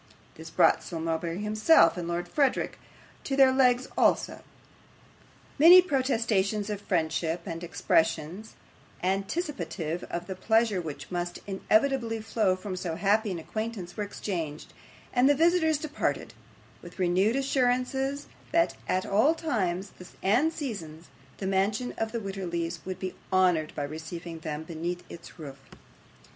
This brought Sir Mulberry himself and Lord Verisopht on their legs also. Many protestations of friendship, and expressions anticipative of the pleasure which must inevitably flow from so happy an acquaintance, were exchanged, and the visitors departed, with renewed assurances that at all times and seasons the mansion of the Wititterlys would be honoured by receiving them beneath its roof.